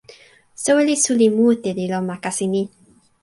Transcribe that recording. soweli suli mute li lon ma kasi ni.